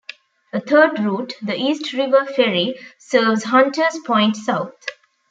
A third route, the East River Ferry, serves Hunter's Point South.